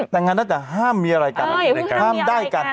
แต่งานน่าจะห้ามมีอะไรกันห้ามได้กัน